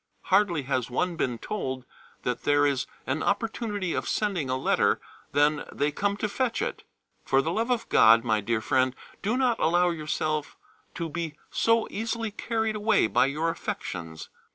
Hardly has one been told that there is an opportunity of sending a letter than they come to fetch it. For the love of God, my dear friend, do not allow yourself to be so easily carried away by your affections.